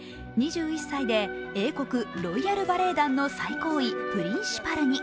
２１歳で英国、ロイヤルバレエ団の最高位、プリンシパルに。